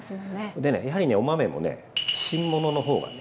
でねやはりねお豆もね「新物」の方がね